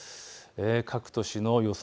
各都市の予想